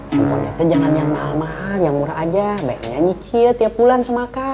handphone itu jangan yang mahal mahal yang murah aja banyaknya nyikir tiap bulan semakan